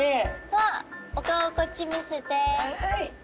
わっお顔こっち見せて！